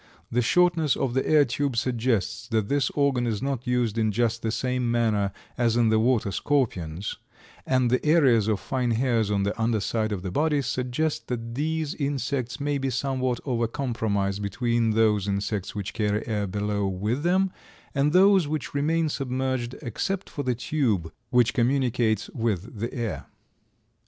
The shortness of the air tube suggests that this organ is not used in just the same manner as in the Water scorpions, and the areas of fine hairs on the under side of the body suggest that these insects may be somewhat of a compromise between those insects which carry air below with them and those which remain submerged, except for the tube which communicates with the air.